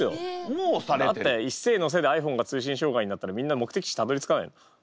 だって「いっせのせっ」でｉＰｈｏｎｅが通信障害になったらみんな目的地たどりつかない。